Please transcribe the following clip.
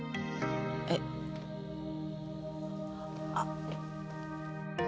えっ？あっ！